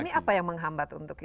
ini apa yang menghambat untuk itu